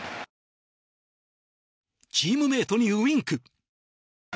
チームメートにウィンク。